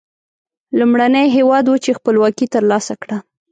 لومړنی هېواد و چې خپلواکي تر لاسه کړه.